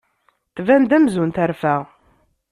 Tban-d amzun terfa.